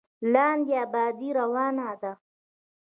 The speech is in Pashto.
لاندې ابادي روانه ده.